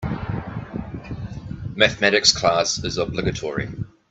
Mathematics class is obligatory.